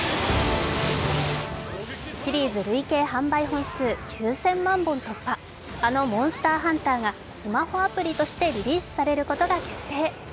シリーズ累計販売本数９０００万本突破、あの「モンスターハンター」がスマホアプリとしてリリースされることが決定。